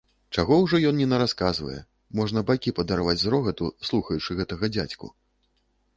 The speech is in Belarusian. Чаго ўжо ён ні нарасказвае, можна бакі падарваць з рогату, слухаючы гэтага дзядзьку.